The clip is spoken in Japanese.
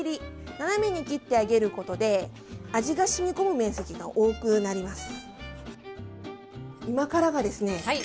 斜めに切ってあげることで味がしみこむ面積が多くなります。